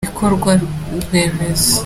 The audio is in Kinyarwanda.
Ibikorwaremezo.